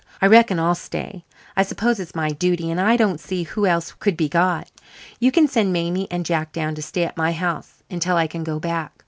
I reckon I'll stay. I suppose it's my duty and I don't see who else could be got. You can send Mamie and Jack down to stay at my house until I can go back.